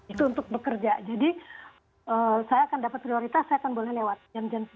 itu untuk bekerja jadi saya akan dapat prioritas saya akan boleh lewat jam jam sepuluh